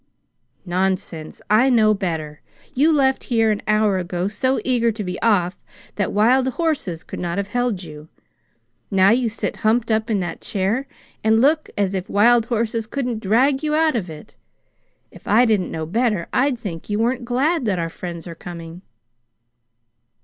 "Nonsense! I know better. You left here an hour ago so eager to be off that wild horses could not have held you. Now you sit humped up in that chair and look as if wild horses couldn't drag you out of it. If I didn't know better I'd think you weren't glad that our friends are coming."